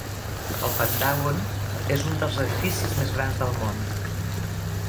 El Pentàgon és un dels edificis més grans del món.